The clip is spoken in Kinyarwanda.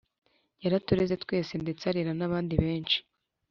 Yaratureze twese ndetse arera nabandi benshi